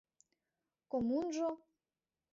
— Коммунжо?!